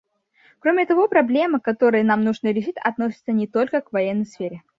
Кроме того, проблемы, которые нам нужно решить, относятся не только к военной сфере.